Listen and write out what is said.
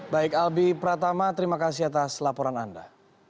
baik albi pratama terima kasih atas laporan anda